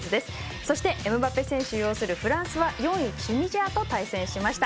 そしてエムバペ選手、擁するフランスは４位チュニジアと対戦しました。